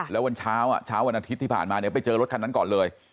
แล้ววันเช้าเช้าวันอาทิตย์ที่ผ่านมาเนี่ยไปเจอรถคันนั้นก่อนเลย